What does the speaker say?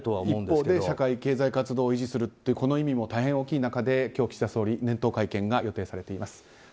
一方で社会経済活動を維持するという意味も大変大きい中で今日、岸田総理年頭会見が予定されています。